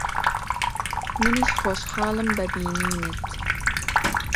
منیش خۆشحاڵم بە بینینت.